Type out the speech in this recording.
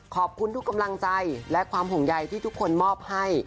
ขอบคุณทุกกำลังใจและความห่วงใยที่ทุกคนมอบให้